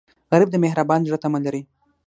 غریب د مهربان زړه تمه لري